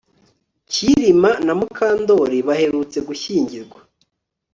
Kirima na Mukandoli baherutse gushyingirwa